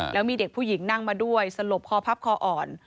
แล้วมีเด็กผู้หญิงนั่งมาด้วยสลบคอพับคออ่อน